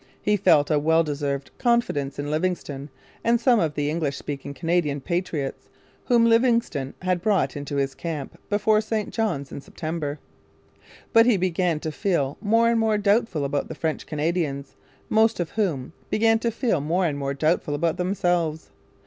He felt a well deserved confidence in Livingston and some of the English speaking Canadian 'patriots' whom Livingston had brought into his camp before St Johns in September. But he began to feel more and more doubtful about the French Canadians, most of whom began to feel more and more doubtful about themselves.